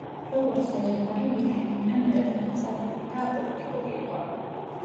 როგორც დედოფალი, ვილჰელმინა მეტად მოკრძალებული და აპოლიტიკური იყო.